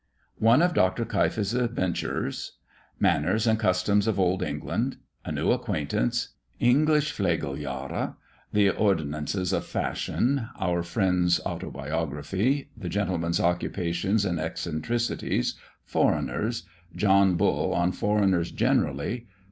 ONE OF DR. KEIF'S ADVENTURES. MANNERS AND CUSTOMS OF OLD ENGLAND. A NEW ACQUAINTANCE. ENGLISH Flegeljahre. THE ORDINANCES OF FASHION. OUR FRIEND'S AUTOBIOGRAPHY. THE GENTLEMAN'S OCCUPATIONS AND ECCENTRICITIES. FOREIGNERS. JOHN BULL ON FOREIGNERS GENERALLY.